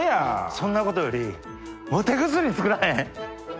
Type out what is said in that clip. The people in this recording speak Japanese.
そんなことよりモテ薬作らへん？